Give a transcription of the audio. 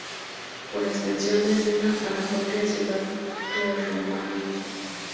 Por extensión, designa a la propia ciudad prerromana.